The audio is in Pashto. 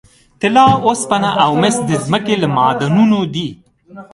طلا، اوسپنه او مس د ځمکې له معادنو دي.